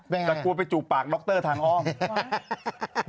แต่กลัวไปจูบปากดร็อคเตอร์ทางอ้อม